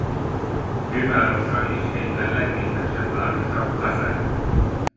Fővárosa és egyben legnépesebb városa Kazany.